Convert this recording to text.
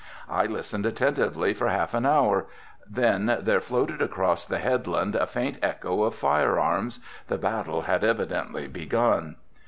I listened attentively for half an hour, then there floated across the head land a faint echo of firearms, the battle had evidently begun.